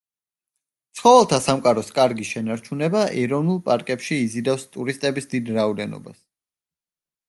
ცხოველთა სამყაროს კარგი შენარჩუნება ეროვნულ პარკებში იზიდავს ტურისტების დიდ რაოდენობას.